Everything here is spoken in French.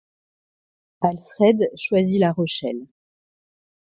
Alfred choisit La Rochelle.